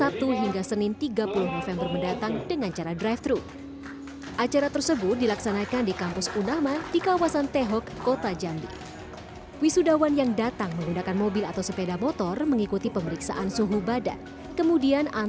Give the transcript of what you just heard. pihak kampus pun menerapkan protokol kesehatan